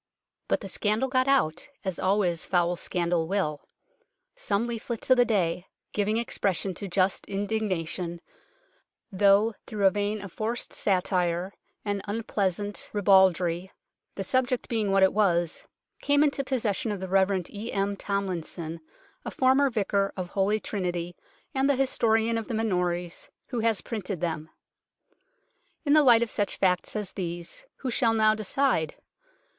But the scandal got out, as always foul scandal will. Some leaflets of the day, giving expression to just indignation, though through a vein of forced satire and unpleasant ribaldry, the subject being what it was, came into possession of the Rev. E. M. Tomlinson, a former vicar of Holy Trinity and the historian of the Minories, who has printed them. In the light of such facts as these, who shall now decide